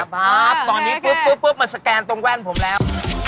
มาป๊าบตอนนี้พึบมาสแกนตรงแว่นผมแล้ว